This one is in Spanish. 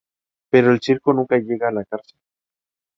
Pero el circo nunca llega a la cárcel.